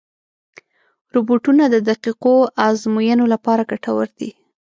روبوټونه د دقیقو ازموینو لپاره ګټور دي.